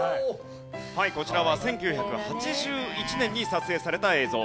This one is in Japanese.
はいこちらは１９８１年に撮影された映像。